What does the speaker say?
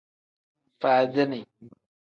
Faadini.